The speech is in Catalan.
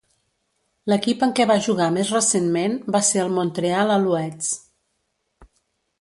L'equip en què va jugar més recentment va ser el Montreal Alouettes.